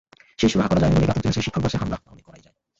সেই সুরাহা করা যায়নি বলেই ঘাতক জেনেছে শিক্ষকবাসে হামলা তাহলে করাই যায়।